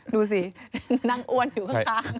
ดูสินั่งอ้วนอยู่ข้าง